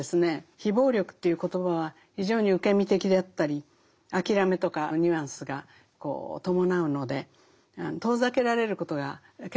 非暴力という言葉は非常に受け身的であったり諦めとかニュアンスが伴うので遠ざけられることが結構あるんですね。